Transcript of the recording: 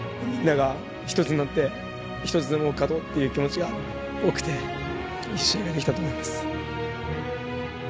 みんなが一つになって一つでも多く勝とうという気持ちが多くていい試合ができたと思います。